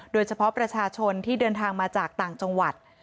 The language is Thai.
โดยเฉพาะประชาชนที่เดินทางมาจากต่างจังหวัด